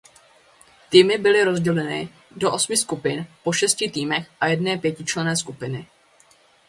Týmy byly rozděleny do osmi skupin po šesti týmech a jedné pětičlenné skupiny.